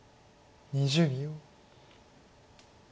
２０秒。